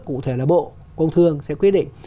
cụ thể là bộ công thương sẽ quyết định